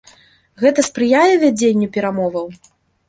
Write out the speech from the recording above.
Гэта спрыяе вядзенню перамоваў?